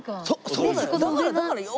そうだよ。